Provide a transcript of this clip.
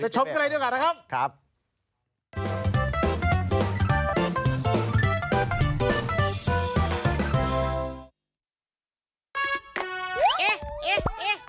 ไปชมกันเลยดีกว่านะครับ้มนะคะถูก